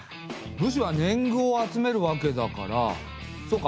武士は年貢を集めるわけだからそうか！